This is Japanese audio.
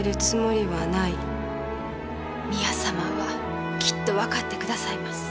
宮様はきっと分かってくださいます。